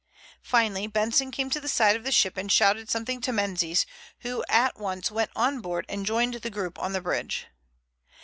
Finally Benson came to the side of the ship and shouted something to Menzies, who at once went on board and joined the group on the bridge.